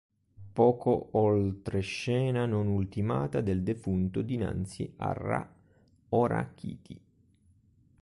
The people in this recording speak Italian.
Poco oltre scena non ultimata del defunto dinanzi a Ra-Horakhti.